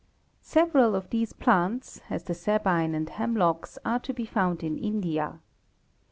Several of these plants, as the sabine and hemlocks, are to be found in India.